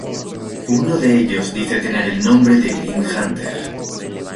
Uno de ellos dice tener el nombre Grim Hunter.